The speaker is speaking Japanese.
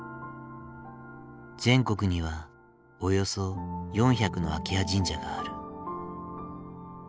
全国にはおよそ４００の秋葉神社がある。